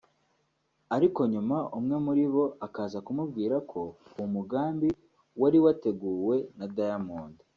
ariko nyuma umwe muri bo akaza kumubwira ko uwo mugambi wari wateguwe na Diamond